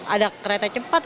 ada kereta cepat